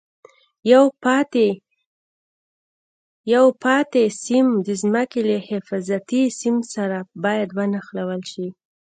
یو پاتې سیم د ځمکې له حفاظتي سیم سره باید ونښلول شي.